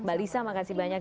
mbak lisa terima kasih banyak